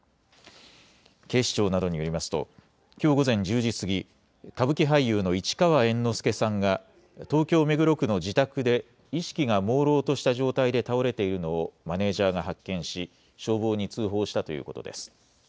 警視庁などによりますときょう午前１０時過ぎ歌舞伎俳優の市川猿之助さんが東京目黒区の自宅で意識がもうろうとした状態で倒れているのをマネージャーが発見し消防に通報したということです。